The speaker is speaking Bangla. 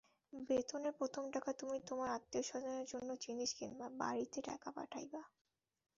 বেতনের প্রথম টাকা-তুমি তোমার আত্মীয়স্বজনের জন্য জিনিস কিনবা, বাড়িতে টাকা পাঠাইবা।